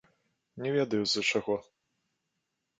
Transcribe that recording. Не ведаю, з-за чаго.